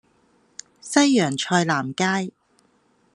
西洋菜南街